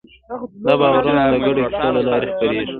دا باورونه د ګډو کیسو له لارې خپرېږي.